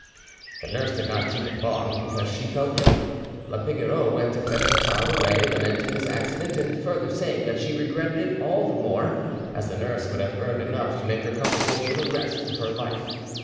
The nurse did not keep it long, because she fell ill; la Pigoreau went to fetch the child away, lamenting this accident, and further saying that she regretted it all the more, as the nurse would have earned enough to make her comfortable for the rest of her life.